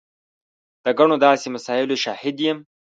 د ګڼو داسې مسایلو شاهد یم.